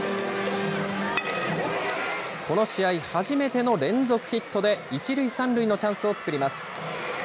この試合初めての連続ヒットで、１塁３塁のチャンスを作ります。